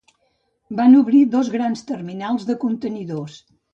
Van obrir dos grans terminals de contenidors.